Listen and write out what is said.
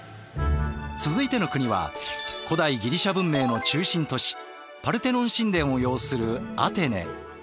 続いての国は古代ギリシャ文明の中心都市パルテノン神殿を擁するアテネ。